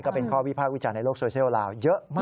ก็เป็นข้อวิพากษ์วิจารณ์ในโลกโซเชียลลาวเยอะมาก